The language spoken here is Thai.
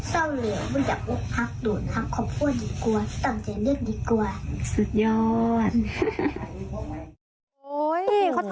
หรือว่าอยากพร้อมพกดนท์ครับห้วนอย่ากลัวตั้งใจเลือกดีกว่าสุดยอด